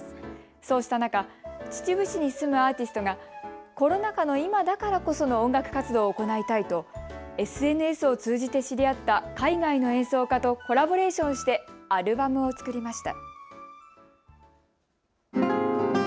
そうした中、秩父市に住むアーティストがコロナ禍の今だからこその音楽活動を行いたいとＳＮＳを通じて知り合った海外の演奏家とコラボレーションしてアルバムを作りました。